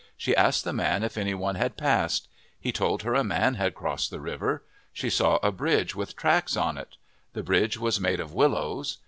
She asked the man if any one had passed. He told her a man had crossed the river. She saw a bridge with tracks on it. The bridge was made of willows.